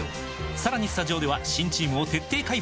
さらにスタジオでは新チームを徹底解剖！